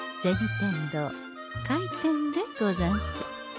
天堂開店でござんす。